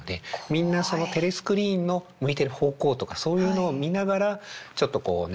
みんなそのテレスクリーンの向いてる方向とかそういうのを見ながらちょっとこうね